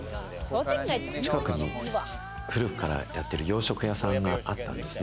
近くに古くからやってる洋食屋さんがあったんですね。